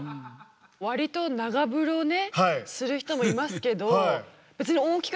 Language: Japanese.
割と長風呂ねする人もいますけど別にそうですよね。